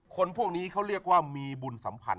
คนพวกนี้เขาเรียกว่ามีบุญสัมพันธ